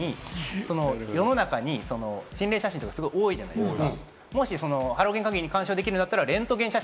銀を変換してる世の中に心霊写真とか多いじゃないですか。